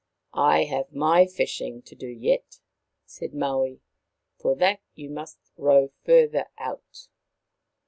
" I have my fishing to do yet," said Maui. " For that you must row further out."